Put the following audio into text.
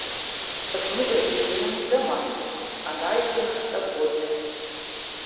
Эта книга издана не в Дамаске, она издана в Стокгольме.